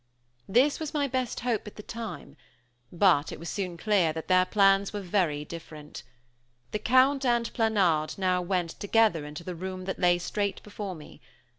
This was my best hope at the time; but it was soon clear that their plans were very different. The Count and Planard now went, together, into the room that lay straight before me.